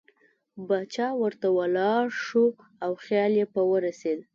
باچا ورته ولاړ شو او خیال یې په ورسېد.